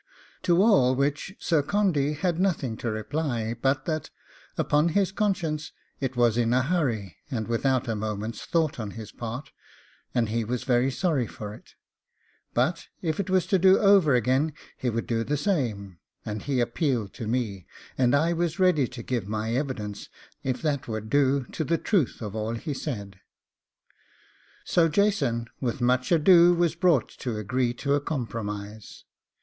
To all which Sir Condy had nothing to reply, but that, upon his conscience, it was in a hurry and without a moment's thought on his part, and he was very sorry for it, but if it was to do over again he would do the same; and he appealed to me, and I was ready to give my evidence, if that would do, to the truth of all he said. So Jason with much ado was brought to agree to a compromise.